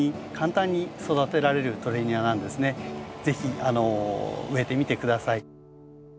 是非植えてみて下さい。